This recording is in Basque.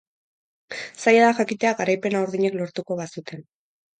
Zaila da jakitea garaipena urdinek lortuko bazuten.